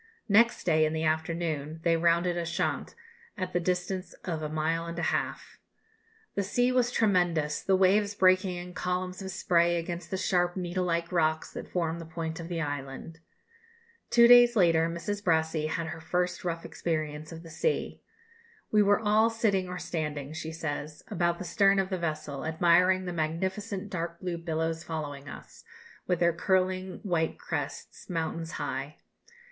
Next day, in the afternoon, they rounded Ushant, at the distance of a mile and a half: "the sea was tremendous, the waves breaking in columns of spray against the sharp needle like rocks that form the point of the island." Two days later, Mrs. Brassey had her first rough experience of the sea. "We were all sitting or standing," she says, "about the stern of the vessel, admiring the magnificent dark blue billows following us, with their curling white crests, mountains high.